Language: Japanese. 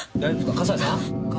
笠井さん